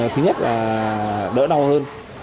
thứ nhất là đỡ đau hơn